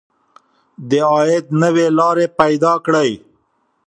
د عاید نوې لارې پیدا کړئ.